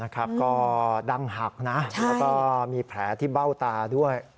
ก็ดั้งหักนะแล้วก็มีแผลที่เบ้าตาด้วย